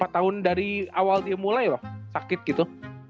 lima tahun dari awal dia mulai loh sakit gitu